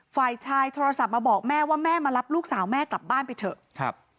ฝ่ายชายโทรศัพท์มาบอกแม่ว่าแม่มารับลูกสาวแม่กลับบ้านไปเถอะครับ